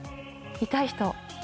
痛い人？